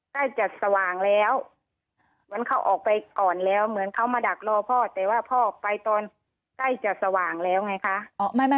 ใกล้จะสว่างแล้วเหมือนเขาออกไปก่อนแล้วเหมือนเขามาดักรอพ่อแต่ว่าพ่อไปตอนใกล้จะสว่างแล้วไงคะ